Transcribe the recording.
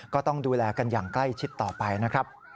ก็ต้องดูแลกันอย่างใกล้ชิดต่อไปนะครับ